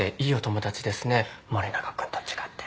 森永君と違って。